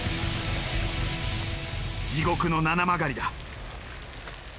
地獄の七曲がりだ。